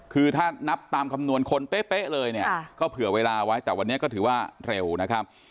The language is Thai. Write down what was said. คือถ้านับตามคำนวณคนเป๊ะเลยเนี่ยก็เผื่อเวลาไว้แต่วันนี้ก็ถือว่าเร็วนะครับ